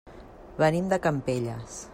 Venim de Campelles.